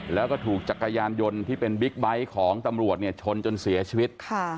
แล้วก็ถูกจักรยานยนต์ที่เป็นบิ๊กไบท์ของตำรวจเนี่ยชนจนเสียชีวิต